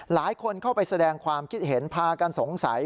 หลายคนเข้าไปแสดงความคิดเห็นพากันสงสัย